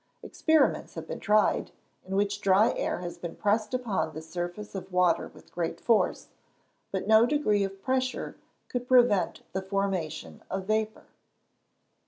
Experiments have been tried, in which dry air has been pressed upon the surface of water with great force, but no degree of pressure could prevent the formation of vapour.